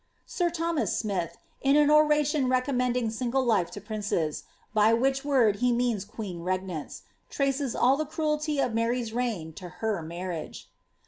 Sir Thomas Smith, in an oration recommending single life to princes, (by which word he means queen regnants), traces all the cruelty of Mary's reign to her marriage.